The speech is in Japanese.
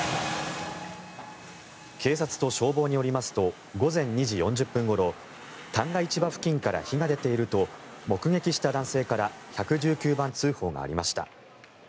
警察と消防によりますと午前２時４０分ごろ旦過市場付近から火が出ていると目撃した男性から１１９番通報がありました。